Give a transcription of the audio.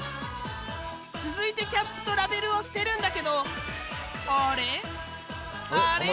続いてキャップとラベルを捨てるんだけどあれ？